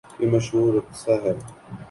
یہ مشہورقصہ ہے۔